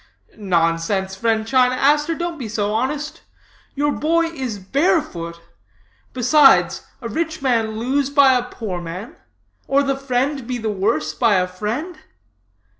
"' "'Nonsense, friend China Aster, don't be so honest; your boy is barefoot. Besides, a rich man lose by a poor man? Or a friend be the worse by a friend?